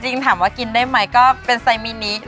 จริงถามกว่ากินได้มั้ยก็เป็นไซส์มินิเชี่ย